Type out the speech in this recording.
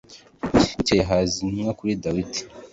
Bukeye haza intumwa kuri Dawidi